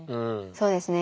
そうですね。